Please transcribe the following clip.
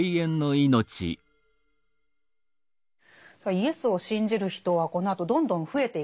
イエスを信じる人はこのあとどんどん増えていくんですね。